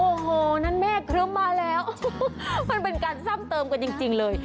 โอ้โหนั่นแม่ครึ้มมาแล้วมันเป็นการซ้ำเติมกันจริงเลย